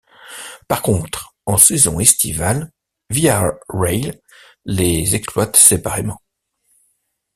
Par contre, en saison estivale, Via Rail les exploite séparément.